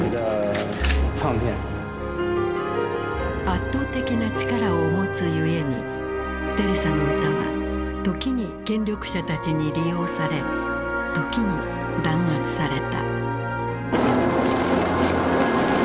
圧倒的な力を持つゆえにテレサの歌は時に権力者たちに利用され時に弾圧された。